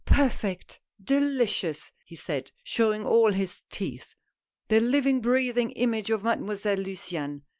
perfect — delicious !" he said, showing all his teeth. "The living breathing image of Mademoiselle Luciane.